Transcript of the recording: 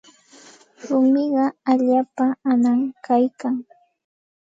Rumiqa allaapa anam kaykan.